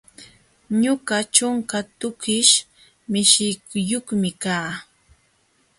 Ñuqa ćhunka tukish mishiyuqmi kaa.